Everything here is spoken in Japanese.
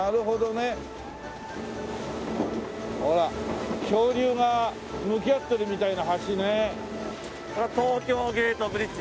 ねえ恐竜がね向き合ってるみたいな。